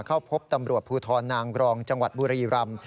เข้าพบตำรวจภูทรนางกรองจังหวัดบุรีรำ